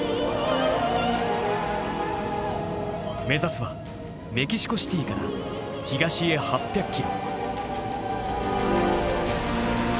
目指すはメキシコシティから東へ８００ｋｍ。